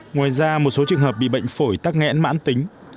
ngoài ra một số trường hợp bị bệnh phổi tắc nghẽn mãn tính